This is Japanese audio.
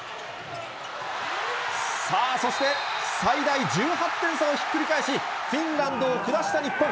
さあ、そして、最大１８点差をひっくり返し、フィンランドを下した日本。